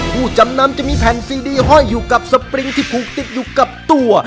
ผู้จำนำจะมีแผ่นซีดีห้อยอยู่กับสปริงที่ผูกติดอยู่กับตัว